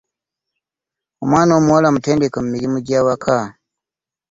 Omwana omuwala mutendeke mu mirimu egy'awaka.